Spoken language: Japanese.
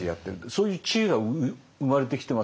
そういう知恵が生まれてきてますよね。